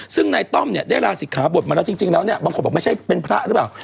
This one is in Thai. ซึ่งนายต้อมเนี่ยได้ลาศิกขาบทมาแล้วจริงแล้วเนี่ยบางคนบอกไม่ใช่เป็นพระหรือเปล่า